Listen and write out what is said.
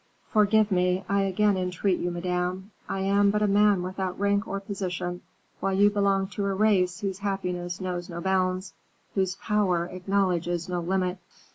Forgive me, I again entreat you, Madame; I am but a man without rank or position, while you belong to a race whose happiness knows no bounds, whose power acknowledges no limit."